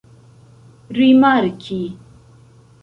rimarki